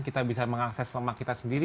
kita bisa mengakses rumah kita sendiri